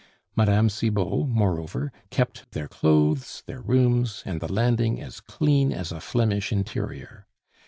Mme. Cibot, moreover, kept their clothes, their rooms, and the landing as clean as a Flemish interior.